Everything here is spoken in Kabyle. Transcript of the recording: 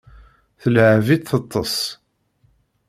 Tleɛɛeb-itt teṭṭes.